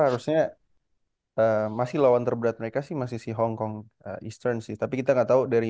harusnya masih lawan terberat mereka sih masih si hongkong eastrans sih tapi kita nggak tahu dari